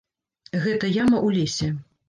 Гэта яма ў лесе.